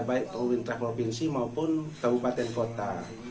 baik pemerintah provinsi maupun kabupaten kota